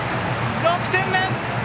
６点目！